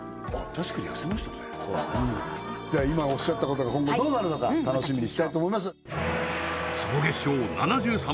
確かに痩せましたねじゃあ今おっしゃったことが今後どうなるのか楽しみにしたいと思います